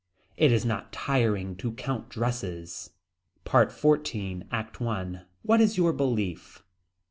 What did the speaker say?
It is not tiring to count dresses. PART XIV. ACT I. What is your belief.